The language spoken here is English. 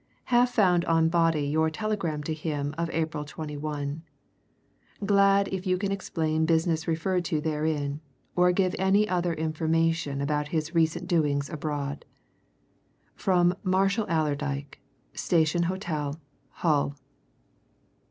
Have found on body your telegram to him of April 21. Glad if you can explain business referred to therein, or give any other information about his recent doings abroad. "From MARSHALL ALLERDYKE, Station Hotel, Hull."